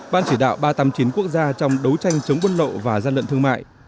ban chỉ đạo ba trăm tám mươi chín quốc gia trong đấu tranh chống buôn lậu và gian lận thương mại